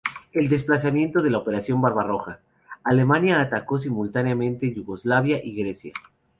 El aplazamiento de la Operación Barbarroja, Alemania atacó simultáneamente Yugoslavia y Grecia.